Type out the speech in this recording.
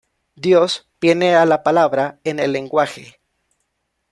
Dios viene a la palabra en el lenguaje.